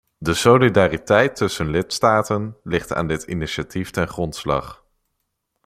De solidariteit tussen lidstaten ligt aan dit initiatief ten grondslag.